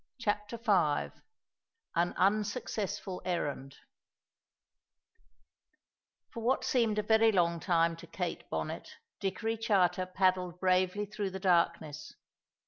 CHAPTER V AN UNSUCCESSFUL ERRAND For what seemed a very long time to Kate Bonnet, Dickory Charter paddled bravely through the darkness.